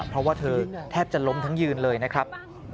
เพราะว่าเธอแทบจะล้มทั้งยืนเลยนะครับ